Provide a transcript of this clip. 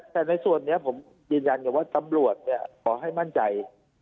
แต่ในส่วนนี้ผมยืนยันกับว่าตำรวจขอให้มั่นใจ